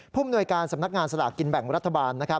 มนวยการสำนักงานสลากกินแบ่งรัฐบาล